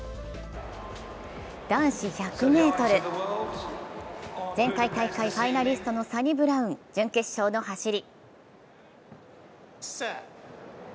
男子１００ｍ、前回大会ファイナリストのサニブラウン、準決勝の走り。